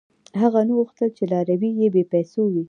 • هغه نه غوښتل، چې لاروي یې بېپېسو وي.